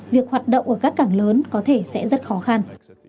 việc hoạt động ở các cảng lớn có thể sẽ rất khó khăn